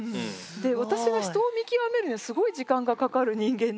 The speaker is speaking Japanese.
私が人を見極めるのにすごい時間がかかる人間で。